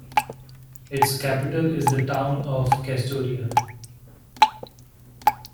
Its capital is the town of Kastoria.